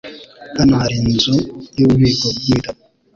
Hano hari inzu yububiko bwibitabo.